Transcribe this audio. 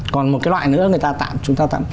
còn một cái loại nữa người ta tạm chúng ta tạm